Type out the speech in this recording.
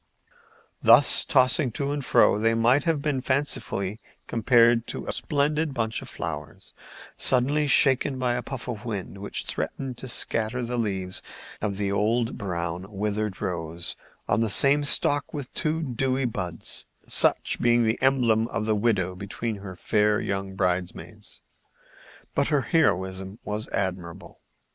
Thus tossing to and fro, they might have been fancifully compared to a splendid bunch of flowers suddenly shaken by a puff of wind which threatened to scatter the leaves of an old brown, withered rose on the same stalk with two dewy buds, such being the emblem of the widow between her fair young bridemaids. But her heroism was admirable.